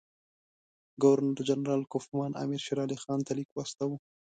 ګورنر جنرال کوفمان امیر شېرعلي خان ته لیک واستاوه.